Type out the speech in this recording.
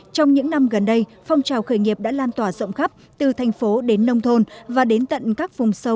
trong những năm gần đây phong trào khởi nghiệp đã lan tỏa rộng khắp từ thành phố đến nông thôn và đến tận các vùng sâu